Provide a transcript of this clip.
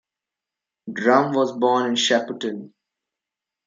Drum was born in Shepparton.